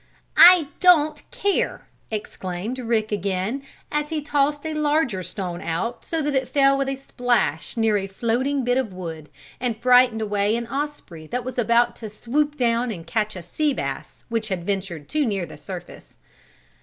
"I don't care!" exclaimed Rick again, as he tossed a larger stone out so that it fell with a splash near a floating bit of wood, and frightened away an osprey that was about to swoop down and catch a sea bass which had ventured too near the surface.